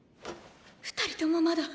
二人ともまだ！